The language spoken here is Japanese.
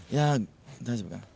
大丈夫かな。